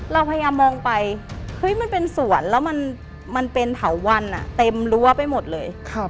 เราพยายามมองไปเฮ้ยมันเป็นสวนแล้วมันเป็นเถาวันเต็มรั้วไปหมดเลย